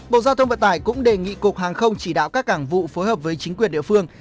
bộ giao thông vận tải cũng đề nghị cục hàng không chỉ đạo các cảng vụ phối hợp với chính quyền địa phương